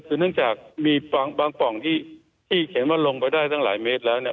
คือเนื่องจากมีบางปล่องที่เขียนว่าลงไปได้ตั้งหลายเมตรแล้วเนี่ย